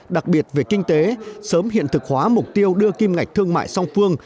đặc biệt về kinh tế sớm hiện thực hóa mục tiêu đưa kim ngạch thương mại song phương